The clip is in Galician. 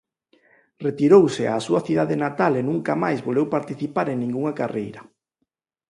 Retirouse á súa cidade natal e nunca máis volveu participar en ningunha carreira.